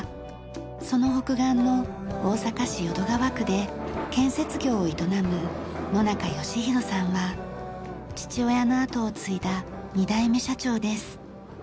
その北岸の大阪市淀川区で建設業を営む野中義博さんは父親の後を継いだ２代目社長です。